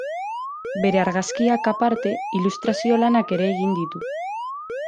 Bere argazkiak aparte, ilustrazio lanak ere egin ditu.